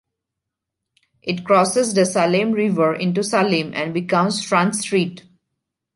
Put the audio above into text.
It crosses the Salem River into Salem and becomes Front Street.